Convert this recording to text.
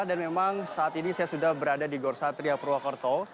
dan memang saat ini saya sudah berada di gorsatria purwokerto